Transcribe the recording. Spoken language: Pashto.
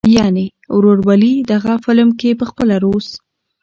يعنې "وروولي". دغه فلم کښې پخپله روس